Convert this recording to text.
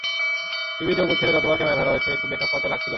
টিভিতে ওপর থেকে যতবার ক্যামেরা ধরা হয়েছে, একটু বেখাপ্পা তো লাগছিলই।